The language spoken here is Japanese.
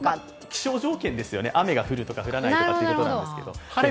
気象条件ですよね、雨が降るとか降らないとかということですけど。